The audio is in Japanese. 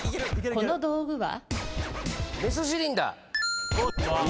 この道具は？